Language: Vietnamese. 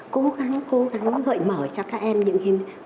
cố gắng cố gắng gợi mở cho các em những hình ảnh